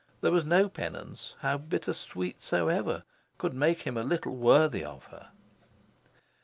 There was no penance, how bittersweet soever, could make him a little worthy of her.